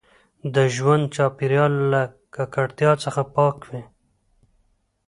د ژوند چاپیریال له ککړتیا څخه پاک وي.